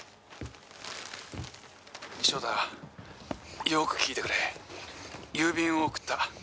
「奨太よく聞いてくれ」「郵便を送った。